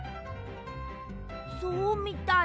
そうみたい。